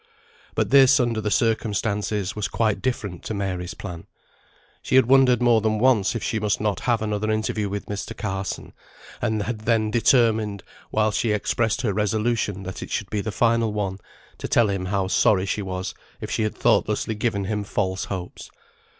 But this, under the circumstances, was quite different to Mary's plan. She had wondered more than once if she must not have another interview with Mr. Carson; and had then determined, while she expressed her resolution that it should be the final one, to tell him how sorry she was if she had thoughtlessly given him false hopes.